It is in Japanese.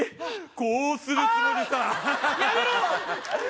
こうするつもりさああ！